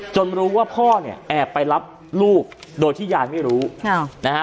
รู้ว่าพ่อเนี่ยแอบไปรับลูกโดยที่ยายไม่รู้นะฮะ